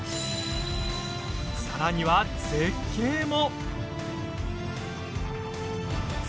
さらには、絶景も。